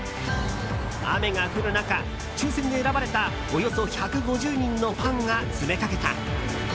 雨が降る中、抽選で選ばれたおよそ１５０人のファンが詰めかけた。